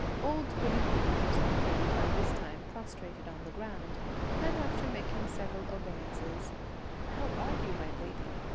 Old goody Liu was already by this time prostrated on the ground, and after making several obeisances, "How are you, my lady?"